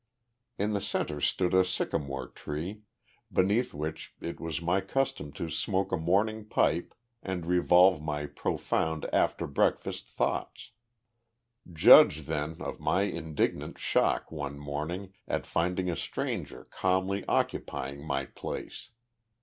In the centre stood a sycamore tree, beneath which it was my custom to smoke a morning pipe and revolve my profound after breakfast thoughts. Judge, then, of my indignant shock, one morning, at finding a stranger calmly occupying my place.